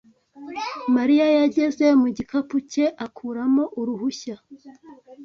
Mariya yageze mu gikapu cye akuramo uruhushya.